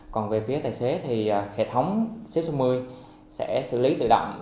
còn về phía tài xế thì hệ thống sip sáu mươi sẽ xử lý tự động